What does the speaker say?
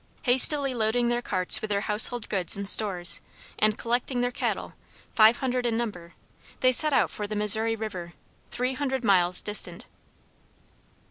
Hastily loading their carts with their household goods and stores, and collecting their cattle, five hundred in number, they set out for the Missouri River, three hundred miles distant.